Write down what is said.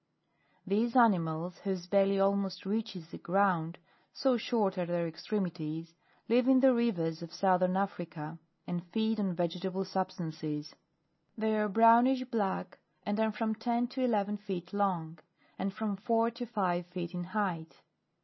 3. These animals, whose belly almost reaches the ground, so short are their extremities, live in the rivers of southern Africa, and feed on vegetable substances. They are brownish black, and are from ten to eleven feet long, and from four to five feet in height.